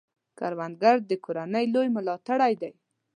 کروندګر د کورنۍ لوی ملاتړی دی